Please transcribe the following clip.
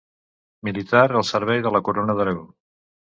Militar al servei de la Corona d'Aragó.